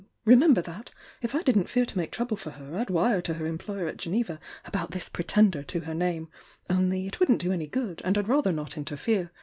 Remember that! If I didn't fear to make trouble for her I'd wire to her employer at Geneva about this pretender to her name— only it wouldn't do any good, and I'd rather not interfere.